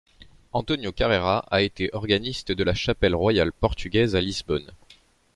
António Carreira a été organiste de la Chapelle royale portugaise à Lisbonne.